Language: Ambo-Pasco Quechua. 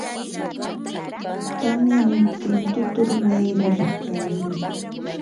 tamyamuptin tutur wayraa rikarimun.